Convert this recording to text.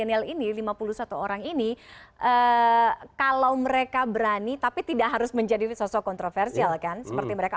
milenial ini lima puluh satu orang ini kalau mereka berani tapi tidak harus menjadi sosok kontroversial kan seperti mereka